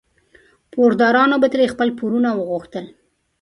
پوردارانو به ترې خپل پورونه غوښتل.